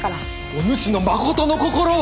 おぬしのまことの心を。